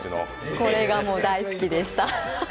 これが大好きでした。